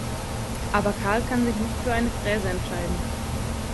Aber Karl kann sich nicht für eine Fräse entscheiden.